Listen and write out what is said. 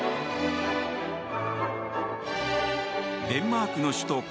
デンマークの首都